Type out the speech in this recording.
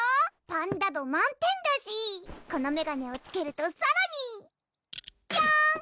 パンダ度満点だしこのメガネをつけるとさらにジャーン！